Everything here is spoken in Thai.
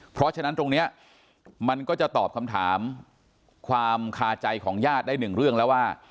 เพราะฉะนั้นตรงนี้มันก็จะตอบคำถามความคาใจของญาติได้หนึ่งเรื่องแล้วว่า